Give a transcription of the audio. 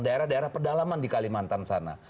daerah daerah pedalaman di kalimantan sana